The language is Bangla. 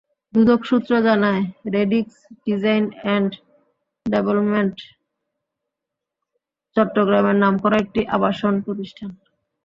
দুদক সূত্র জানায়, রেডিক্স ডিজাইন অ্যান্ড ডেভেলপমেন্ট চট্টগ্রামের নামকরা একটি আবাসন প্রতিষ্ঠান।